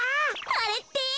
あれって？